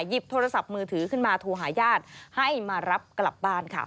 โทรศัพท์มือถือขึ้นมาโทรหาญาติให้มารับกลับบ้านค่ะ